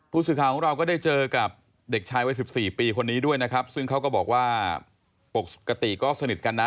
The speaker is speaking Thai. ผู้สื่อข่าวของเราก็ได้เจอกับเด็กชายวัย๑๔ปีคนนี้ด้วยนะครับซึ่งเขาก็บอกว่าปกติก็สนิทกันนะ